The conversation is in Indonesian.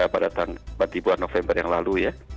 pada tahun empat an november yang lalu ya